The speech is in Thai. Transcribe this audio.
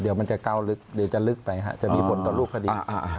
เดี๋ยวมันจะเก้าลึกจะลึกไปครับจะมีผลกับลูกคดี